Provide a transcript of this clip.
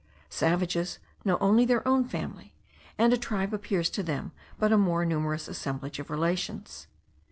Savages know only their own family; and a tribe appears to them but a more numerous assemblage of relations.